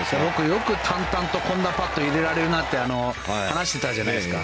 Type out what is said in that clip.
よく淡々とこんなパット入れられるなって話してたじゃないですか。